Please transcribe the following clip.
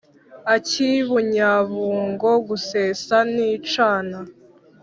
Ak'i Bunyabungo gusesa nicana